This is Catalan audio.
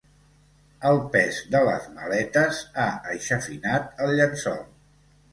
El pes de les maletes ha aixafinat el llençol.